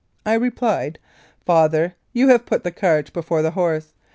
I replied, "Father, you have put the cart before the horse.